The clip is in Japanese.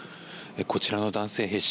こちらの男性兵士